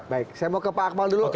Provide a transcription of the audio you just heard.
baik saya mau ke pak akmal dulu